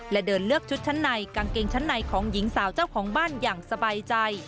และเดินเลือกชุดชั้นในกางเกงชั้นในของหญิงสาวเจ้าของบ้านอย่างสบายใจ